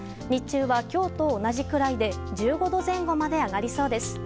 日中は今日と同じくらいで１５度前後まで上がりそうです。